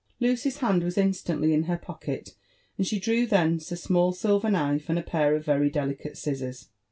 '* Lucy's hand was instantly ia her pocket; and she dreW thMi€8 a (unall silver knife» and a pair of very delicate scissars.